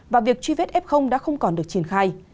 và việc truy vết f đã không còn được triển khai